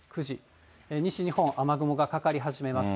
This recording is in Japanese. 西日本、雨雲がかかり始めます。